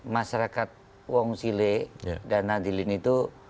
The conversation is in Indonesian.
masyarakat wong sile dan nadilin itu